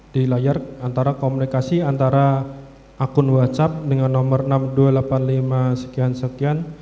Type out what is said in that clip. di layar antara komunikasi antara akun whatsapp dengan nomor enam ribu dua ratus delapan puluh lima sekian sekian